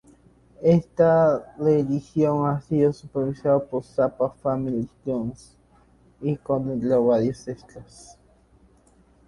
Esta reedición ha sido supervisada por Zappa Family Trust y contendrá un varios extras.